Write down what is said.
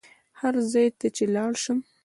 هر ځای ته چې لاړ شم.